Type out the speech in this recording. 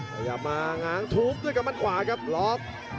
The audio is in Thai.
พยายามมาหงางถูกด้วยกับมันขวาครับรอบ